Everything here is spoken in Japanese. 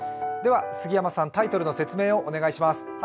では杉山さん、タイトルの説明をお願いします。